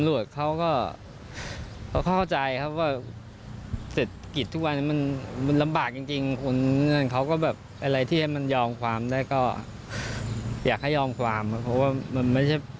เราไปป้นจี้ฆ่าใครอะไรอย่างนี้